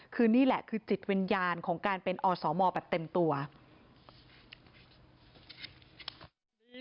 คือนี่แหละคือจิตวิญญาณของการเป็นอสมแบบเต็มตัว